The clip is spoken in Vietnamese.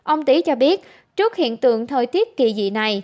ông tý cho biết trước hiện tượng thời tiết kỳ dị này